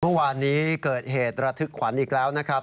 เมื่อวานนี้เกิดเหตุระทึกขวัญอีกแล้วนะครับ